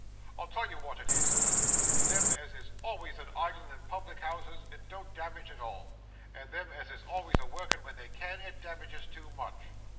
I'll tell you wot it is, sir; them as is always a idlin' in public houses it don't damage at all, and them as is alvays a workin' wen they can, it damages too much.